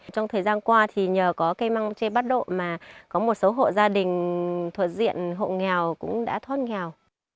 trong thời gian qua thì nhờ có cây măng tre bắt độ mà có một số hộ gia đình thuật diện hộ nghèo cũng đã thoát nghèo